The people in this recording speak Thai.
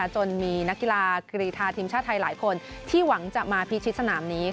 จนมีนักกีฬากรีธาทีมชาติไทยหลายคนที่หวังจะมาพิชิตสนามนี้